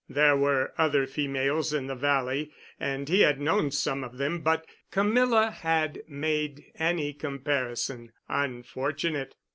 There were other females in the Valley, and he had known some of them, but Camilla had made any comparison unfortunate.